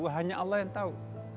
hanya allah yang tahu